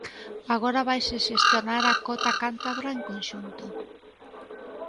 Agora vaise xestionar a cota cántabra en conxunto.